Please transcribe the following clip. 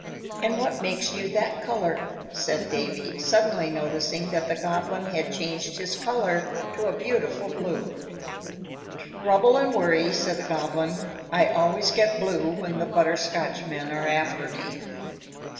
"And what makes you that color?" said Davy, suddenly noticing that the Goblin had changed his color to a beautiful blue. "Trouble and worry," said the Goblin. "I always get blue when the Butterscotchmen are after me."